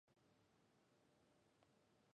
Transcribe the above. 道程は遠し